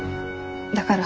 だから。